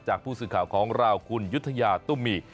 ผู้สื่อข่าวของเราคุณยุธยาตุ้มมี